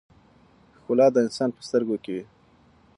ښکلا د انسان په سترګو کې وي.